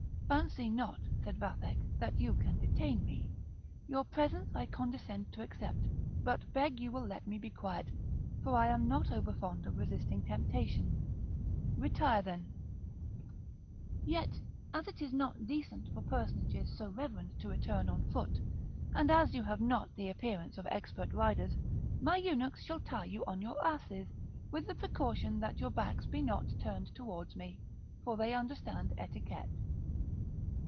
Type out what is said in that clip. "Fancy not," said Vathek, "that you can detain me; your presents I condescend to accept, but beg you will let me be quiet, for I am not over fond of resisting temptation; retire, then; yet, as it is not decent for personages so reverend to return on foot, and as you have not the appearance of expert riders, my eunuchs shall tie you on your asses, with the precaution that your backs be not turned towards me, for they understand etiquette."